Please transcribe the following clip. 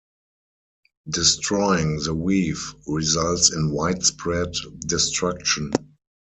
Destroying the Weave results in widespread destruction.